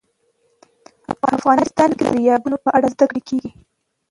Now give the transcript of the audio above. افغانستان کې د دریابونه په اړه زده کړه کېږي.